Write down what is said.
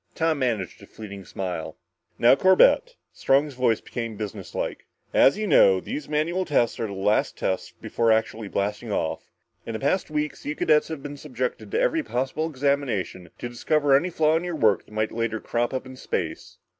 Tom managed a fleeting smile. "Now, Corbett" Strong's voice became businesslike "as you know, these manual tests are the last tests before actually blasting off. In the past weeks, you cadets have been subjected to every possible examination, to discover any flaw in your work that might later crop up in space.